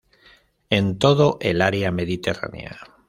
En toda el área mediterránea.